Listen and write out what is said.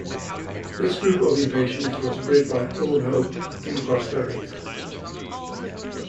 This group of impatiens was bred by Claude Hope in Costa Rica.